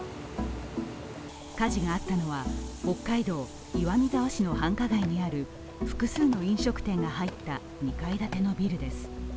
火事があったのは北海道岩見沢市にある繁華街の複数の飲食店が入って２階建てのビルです。